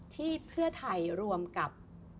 ที่เพื่อไทยรวมกับ